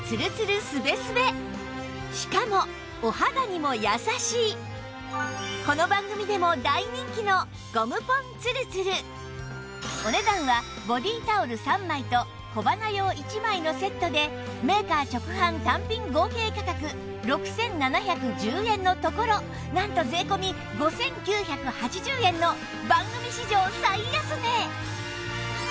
しかもこの番組でも大人気のお値段はボディータオル３枚と小鼻用１枚のセットでメーカー直販単品合計価格６７１０円のところなんと税込５９８０円の番組史上最安値！